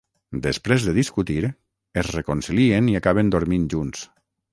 Després de discutir, es reconcilien i acaben dormint junts.